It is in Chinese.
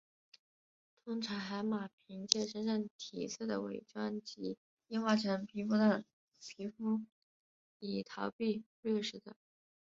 通常海马凭借身上体色的伪装及硬化成皮状的皮肤以逃避掠食者。